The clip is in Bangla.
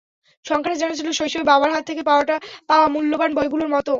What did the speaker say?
সংখ্যাটা যেন ছিল শৈশবে বাবার হাত থেকে পাওয়া মহামূল্যবান বইগুলোর মতো।